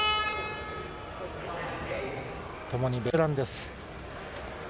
ともにベテランです。